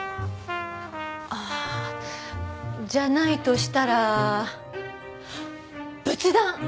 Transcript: ああじゃないとしたらあっ仏壇！